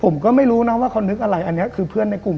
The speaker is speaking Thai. ไม่จบ